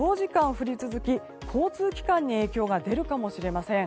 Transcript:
強い雨が長時間降り続き交通機関に影響が出るかもしれません。